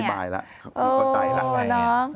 น่าจะอธิบายล่ะขอใจล่ะ